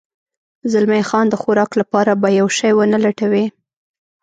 زلمی خان د خوراک لپاره به یو شی و نه لټوې؟